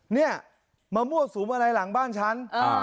เนี่ยมามั่วสุมอะไรหลังบ้านฉัน